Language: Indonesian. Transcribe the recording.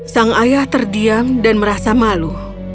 sang ayah terdiam dan merasa malu